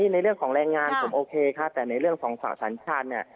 ในเรื่องของแรงงานผมโอเคค่ะแต่ในเรื่องส่วนสาวสัญชาติ